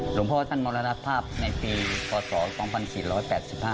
หลวงพ่อท่านมรณภาพในปีพศ๒๔๘๕